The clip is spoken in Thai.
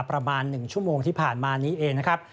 ประมาณ๑ชั่วโมงที่ผ่านมานี้เองนะครับ